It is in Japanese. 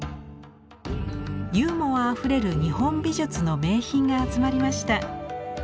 ユーモアあふれる日本美術の名品が集まりました。